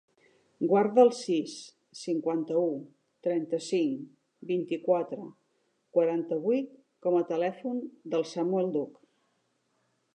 Guarda el sis, cinquanta-u, trenta-cinc, vint-i-quatre, quaranta-vuit com a telèfon del Samuel Duch.